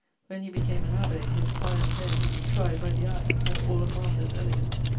When he became an abbé, his pious hair, tried by the iron, had all a martyr's elegance.